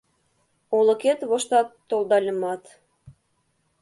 Олыкет воштат толдальымат, -